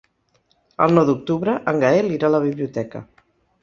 El nou d'octubre en Gaël irà a la biblioteca.